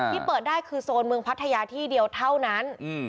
ที่เปิดได้คือโซนเมืองพัทยาที่เดียวเท่านั้น